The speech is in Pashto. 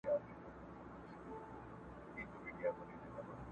دا زړه بېړی به خامخا ډوبېږي.